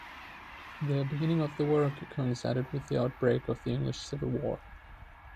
The beginning of the work coincided with the outbreak of the English Civil War.